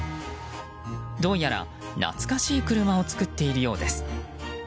どうやら懐かしい車を作っているようです。